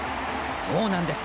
そうなんです。